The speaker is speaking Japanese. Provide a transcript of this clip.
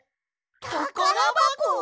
たからばこ！？